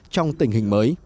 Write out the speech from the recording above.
trong tình hình mới